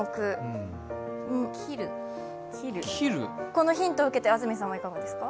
このヒントを受けて安住さんはいかがですか？